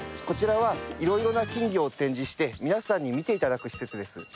こちらはいろいろな金魚を展示して皆さんに見ていただく施設です。